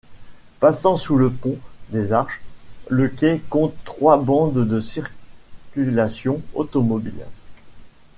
Passant sous le pont des Arches, le quai compte trois bandes de circulation automobile.